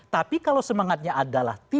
tapi kalau semangatnya adalah tidak dalam konteks